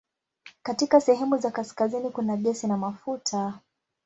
Katika sehemu za kaskazini kuna gesi na mafuta.